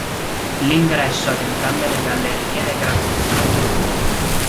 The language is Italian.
L'ingresso ad entrambe le gallerie è gratuito.